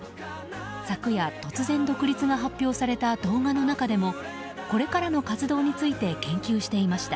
昨夜、突然、独立が発表された動画の中でもこれからの活動について言及していました。